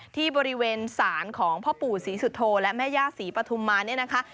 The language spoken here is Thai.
ที่บริเวณศาลของพ่อปู่ศรีสุโธและแม่ย่าศรีปฐุมมาเนี่ยนะคะ